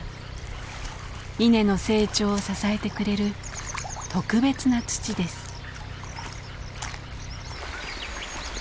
稲の成長を支えてくれる特別な土です。